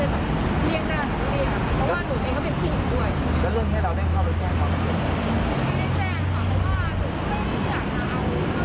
แต่ว่าพี่ผมบอกว่าพี่เห็นในเบสอะไรอย่างนี้